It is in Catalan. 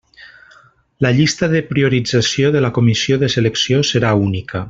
La llista de priorització de la comissió de selecció serà única.